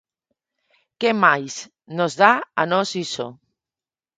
¿Que máis nos dá a nós iso?